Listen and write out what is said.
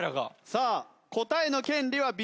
さあ答えの権利は美少年。